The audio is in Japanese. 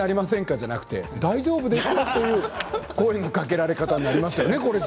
じゃなくて大丈夫ですか？という声のかけられ方ですよね。